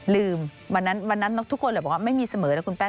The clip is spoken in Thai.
ลืมวันนั้นทุกคนเลยบอกว่าไม่มีเสมอแล้วคุณแป้ง